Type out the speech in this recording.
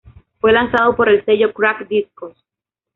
Fue lanzado por el sello "Crack Discos".